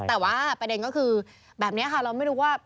แต่ว่าประเด็นก็คือแบบนี้ค่ะเราไม่รู้ว่า